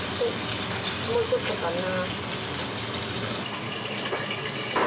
もうちょっとかな。